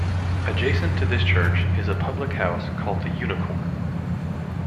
Adjacent to this church is a public house called the Unicorn.